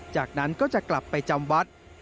จากนั้นก็จะกลับไปจำวัด